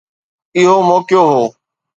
اهو موقعو هو.